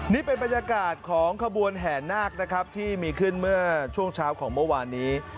นี่เป็นบรรยากาศของขบวนแห่นาคนะครับที่มีขึ้นเมื่อช่วงเช้าของเมื่อวานนี้